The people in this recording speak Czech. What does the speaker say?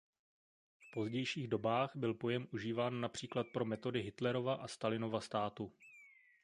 V pozdějších dobách byl pojem užíván například pro metody Hitlerova a Stalinova státu.